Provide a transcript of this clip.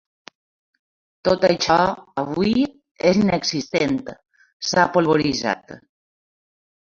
Tot això avui és inexistent, s’ha polvoritzat.